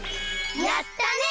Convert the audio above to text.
やったね！